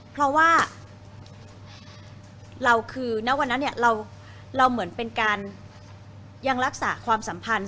เพราะว่าเราคือณวันนั้นเนี่ยเราเหมือนเป็นการยังรักษาความสัมพันธ์